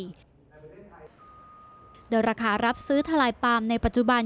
โดยราคารับซื้อทลายปาล์มในปัจจุบัน